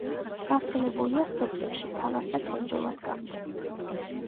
გავრცელებულია სოფლებში: თავასა, თერჯოლა, სკანდე.